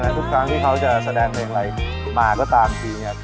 ดังนั้นทุกครั้งที่เขาจะแสดงเพลงอะไรมาก็ตามทีเนี่ย